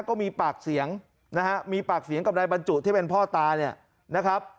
ก็มีปากเสียงนะฮะมีปากเสียงกับนายบรรจุที่เป็นพ่อตาเนี่ยนะครับ